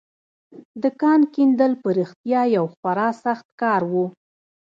د کان کیندل په رښتيا يو خورا سخت کار و.